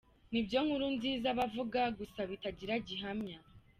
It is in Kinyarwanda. Nibyo Nkurunziza aba avuga gusa bitagira gihamya.